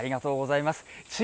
ありがとうございます。